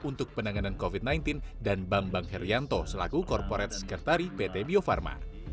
untuk penanganan covid sembilan belas dan bambang herianto selaku korporat sekretari pt bio farma